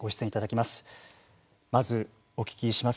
まずお聞きします。